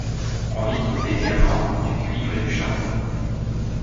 On y trouve des diamants, du cuivre et du charbon.